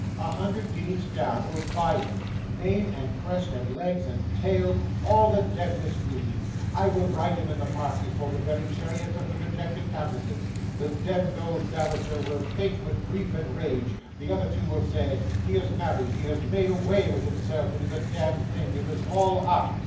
'A hundred guineas down will buy him; mane, and crest, and legs, and tail, all of the demdest beauty. I will ride him in the park before the very chariots of the rejected countesses. The demd old dowager will faint with grief and rage; the other two will say "He is married, he has made away with himself, it is a demd thing, it is all up!"